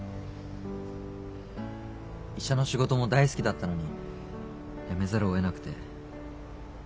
医者の仕事も大好きだったのに辞めざるをえなくて。